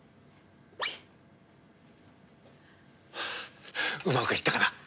ハハッうまくいったかな？